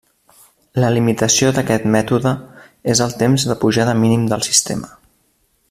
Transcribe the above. La limitació d'aquest mètode és el temps de pujada mínim del sistema.